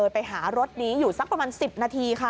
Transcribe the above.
ไปหารถนี้อยู่สักประมาณ๑๐นาทีค่ะ